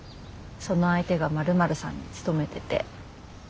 その相手がまるまるさんに勤めてて。